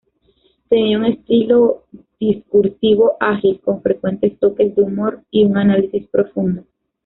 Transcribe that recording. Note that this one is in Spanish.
Tenía un estilo discursivo ágil, con frecuentes toques de humor y un análisis profundo.